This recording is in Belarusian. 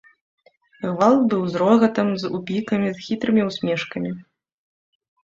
Гвалт быў з рогатам, з упікамі, з хітрымі ўсмешкамі.